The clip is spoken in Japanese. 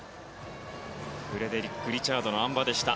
フレッド・リチャードのあん馬でした。